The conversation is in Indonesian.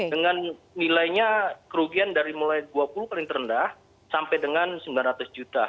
dengan nilainya kerugian dari mulai dua puluh paling terendah sampai dengan sembilan ratus juta